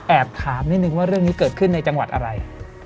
ถามนิดนึงว่าเรื่องนี้เกิดขึ้นในจังหวัดอะไร